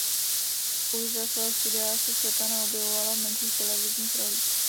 Už za svého studia se Světlana objevovala v menších televizních rolích.